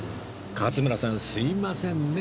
勝村さんすいませんね